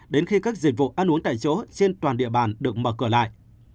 đến khi các dịch vụ ăn uống tại chỗ trên toàn địa bàn được mở cửa lại